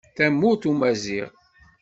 Tamurt umaziɣ.